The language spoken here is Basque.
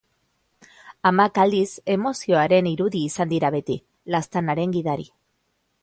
Amak aldiz emozioaren irudi izan dira beti, laztanaren gidari.